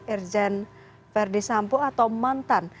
irjen verdesampu atau mantan